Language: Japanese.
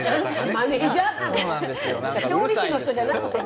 調理師の人じゃなくてね。